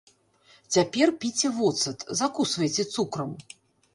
Цяпер піце воцат, закусвайце цукрам.